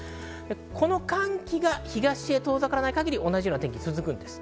この寒気が東へ遠ざからない限りは同じ天気が続くんです。